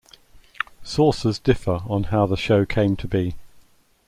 Sources differ on how the show came to be.